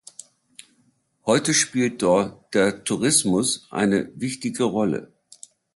Heute spielt dort der Tourismus eine wichtige Rolle.